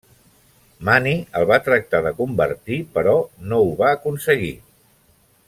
Mani el va tractar de convertir però no ho va aconseguir.